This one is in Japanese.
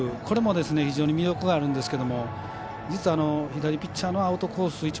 これも非常に魅力があるんですけど実は左ピッチャーのアウトコース